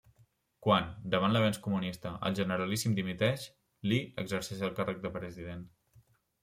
Quan, davant l'avenç comunista, el Generalíssim dimiteix, Li exerceix el càrrec de president.